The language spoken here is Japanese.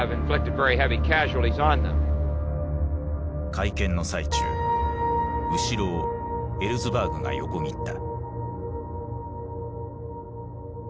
会見の最中後ろをエルズバーグが横切った。